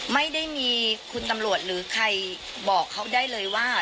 ไม่ได้มีคุณตำรวจหรือใครบอกเขาได้เลยว่า